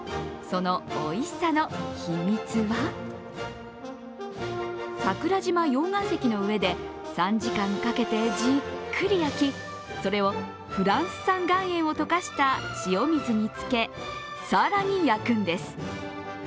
そのおいしさの秘密は桜島溶岩石の上で３時間かけてじっくり焼きそれをフランス産岩塩を溶かした塩水につけ、更に焼くんです。